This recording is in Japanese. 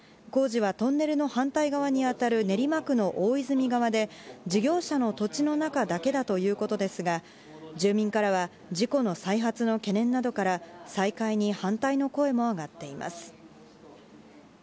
工事はトンネルの反対側に当たる練馬区の大泉側で事業者の土地の中だけだということですが住民からは事故の再発の懸念などから再開に反対の声も上がっています。